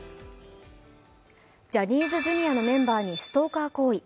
ジャニーズＪｒ．のメンバーにストーカー行為。